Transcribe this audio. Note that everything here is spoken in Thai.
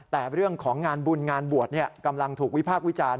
แต่เรื่องของงานบุญงานบวชกำลังถูกวิพากษ์วิจารณ์